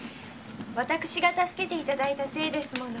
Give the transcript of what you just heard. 私が助けていただいたせいですもの。